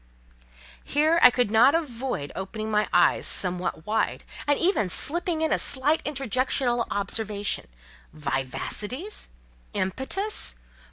Here I could not avoid opening my eyes somewhat wide, and even slipping in a slight interjectional observation: "Vivacities? Impetus?